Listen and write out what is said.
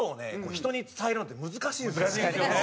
人に伝えるのって難しいんですよね。